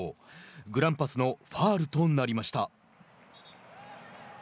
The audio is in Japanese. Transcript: グランパスのファウルとなりました。